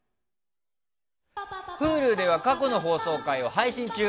Ｈｕｌｕでは過去の放送回を配信中。